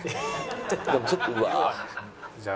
ちょっとうわあ。